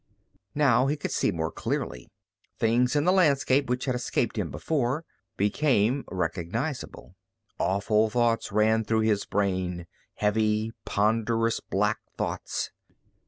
Now he could see more clearly. Things in the landscape, which had escaped him before, became recognizable. Awful thoughts ran through his brain, heavy, ponderous, black thoughts.